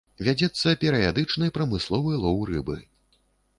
Вядзецца перыядычны прамысловы лоў рыбы.